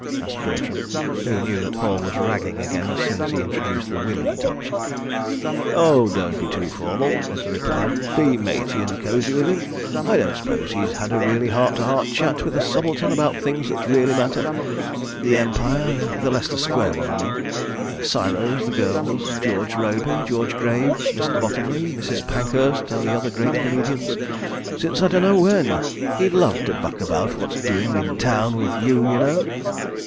asked Bertram, who knew that Hall was "ragging" again, as soon as he introduced the "Willie" touch. "Oh, don't be too formal," was the reply. "Be matey and cosy with him. ... I don't suppose he's had a really heart to heart chat with a subaltern about the things that really matter—the Empire (the Leicester Square one, I mean); Ciro's; the girls; George Robey, George Graves, Mr. Bottomley, Mrs. Pankhurst and the other great comedians—since I dunno when. He'd love to buck about what's doing in town, with you, y'know.